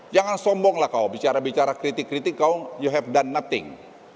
jangan sombong lah kau bicara bicara kritik kritik kau you have dan nothing